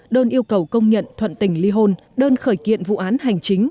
đơn yêu cầu công nhận thuận tình ly hôn đơn khởi kiện vụ án hành chính